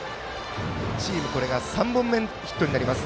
チーム、これが３本目のヒットになります